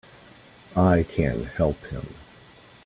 I can help him!